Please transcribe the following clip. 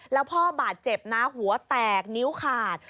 แล้วพ่อบาดเจ็บนะหัวแตกนิ้วขาด